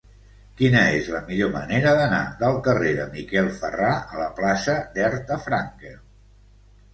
Quina és la millor manera d'anar del carrer de Miquel Ferrà a la plaça d'Herta Frankel?